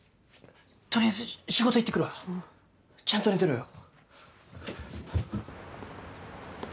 取りあえず仕事行ってくるわちゃんと寝てろよ。